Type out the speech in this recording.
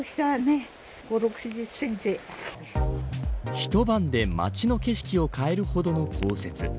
一晩で町の景色を変えるほどの降雪。